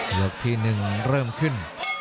เกื้อบที่หนึ่งเริ่มขึ้น